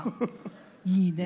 いいね。